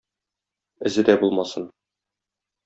Эзе дә булмасын!